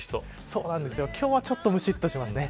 今日はちょっとむしっとしますね。